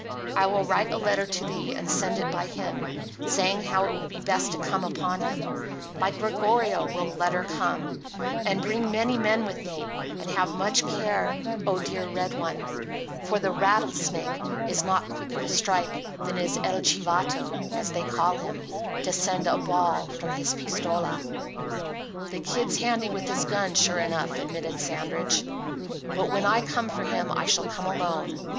I will write a letter to thee and send it by him, saying how it will be best to come upon him. By Gregorio will the letter come. And bring many men with thee, and have much care, oh, dear red one, for the rattlesnake is not quicker to strike than is 'El Chivato,' as they call him, to send a ball from his pistola." "The Kid's handy with his gun, sure enough," admitted Sandridge, "but when I come for him I shall come alone.